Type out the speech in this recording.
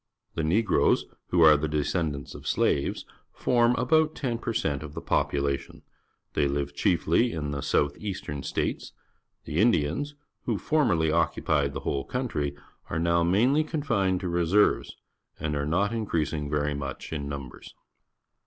The Negroes, who are the descendants of the slaves, form about ten per cent of the popula tion. They live chiefly in the south eastern states. The Indians, who formerly occupied the whole country, are now mainly confined to reser^•es and are not increasmg very much in numbers.